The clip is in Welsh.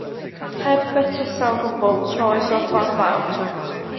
Heb betruso o gwbl, troes o'r ffordd fawr.